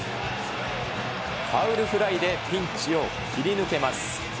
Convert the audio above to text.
ファウルフライでピンチを切り抜けます。